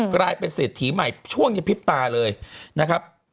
กลายเป็นเศรษฐีใหม่ช่วงนี้พริบตาเลยนะครับ